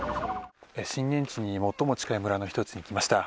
震源地に最も近い村の１つに来ました。